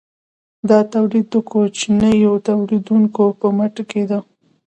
دا تولید د کوچنیو تولیدونکو په مټ کیده.